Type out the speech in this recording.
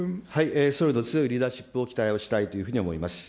総理の強いリーダーシップを期待をしたいというふうに思います。